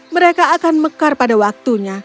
mereka akan mekar pada waktunya